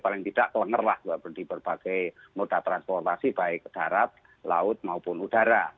paling tidak kelenger lah di berbagai moda transportasi baik darat laut maupun udara